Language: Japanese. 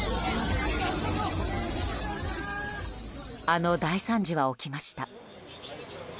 あの大惨事は起きました。